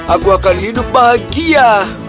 aku akan hidup bahagia